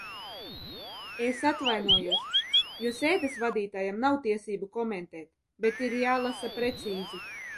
Es atvainojos, jo sēdes vadītājam nav tiesību komentēt, bet ir jālasa precīzi.